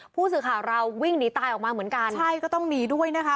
ผู้สื่อข่าวเราวิ่งหนีตายออกมาเหมือนกันใช่ก็ต้องหนีด้วยนะคะ